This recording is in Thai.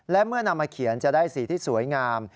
และเมื่อนำมาเขียนจะได้สีที่สวยงาม